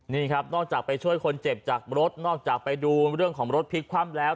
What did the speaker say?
นี่ครับนอกจากไปช่วยคนเจ็บจากรถนอกจากไปดูเรื่องของรถพลิกคว่ำแล้ว